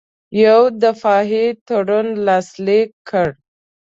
یو دفاعي تړون لاسلیک کړ.